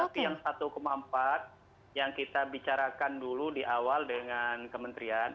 tapi yang satu empat yang kita bicarakan dulu di awal dengan kementerian